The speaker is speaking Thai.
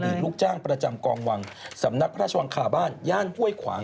ลูกจ้างประจำกองวังสำนักพระราชวังคาบ้านย่านห้วยขวาง